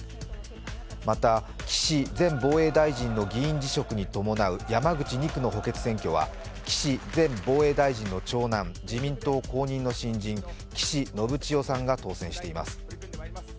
また、岸前防衛大臣の議員辞職に伴う山口２区の補欠選挙は岸前防衛大臣の長男、自民党公認の新人、岸信千世さんが当選しています。